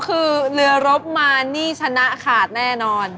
คือเรือรบมานี่ชนะขาดแน่นอน